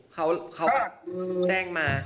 เขาแจ้งมา